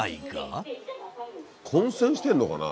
混線してるのかな？